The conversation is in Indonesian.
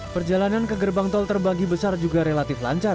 perjalanan ke gerbang tol terbagi besar juga relatif lancar